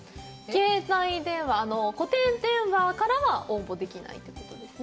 携帯電話固定電話からは応募できないということですね